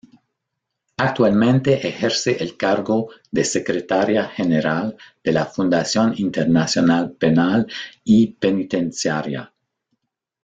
Actualmente ejerce el cargo de secretaria general de la Fundación Internacional Penal y Penitenciaria.